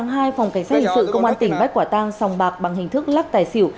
ngày ba hai phòng cảnh sát hình sự công an tỉnh bắt quả tăng xong bạc bằng hình thức lắc tài xỉu